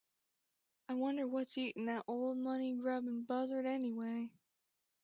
I wonder what's eating that old money grubbing buzzard anyway?